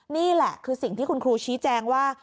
นี่แหละคือสิ่งที่คุณครูชี้แจงว่า